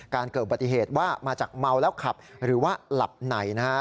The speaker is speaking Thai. เกิดอุบัติเหตุว่ามาจากเมาแล้วขับหรือว่าหลับไหนนะฮะ